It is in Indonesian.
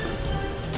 saya sudah menang